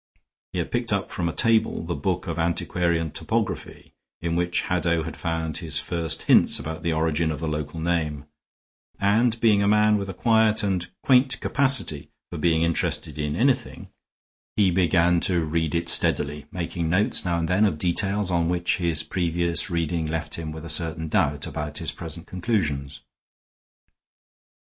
He had picked up from a table the book of antiquarian topography, in which Haddow had found his first hints about the origin of the local name, and, being a man with a quiet and quaint capacity for being interested in anything, he began to read it steadily, making notes now and then of details on which his previous reading left him with a certain doubt about his present conclusions.